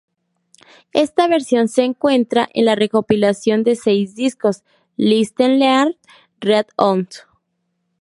Esta versión se encuentra en la recopilación de seis discos "Listen, Learn, Read On".